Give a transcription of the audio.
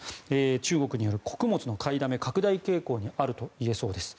中国による穀物の買いだめ拡大傾向にあるといえそうです。